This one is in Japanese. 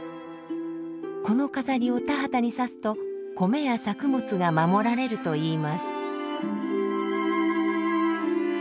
この飾りを田畑にさすと米や作物が守られるといいます。